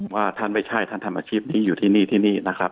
ว่าท่านไม่ใช่ท่านทำอาชีพนี้อยู่ที่นี่ที่นี่นะครับ